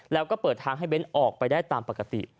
แล้วก็เปิดทางให้เบ้นออกไปได้ตามปกติ